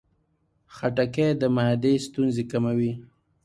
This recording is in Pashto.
خټکی د معدې ستونزې کموي.